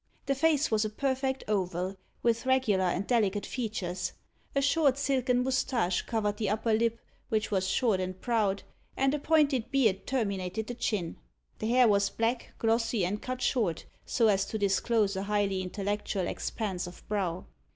The face was a perfect oval, with regular and delicate features. A short silken moustache covered the upper lip, which was short and proud, and a pointed beard terminated the chin. The hair was black, glossy, and cut short, so as to disclose a highly intellectual expanse of brow.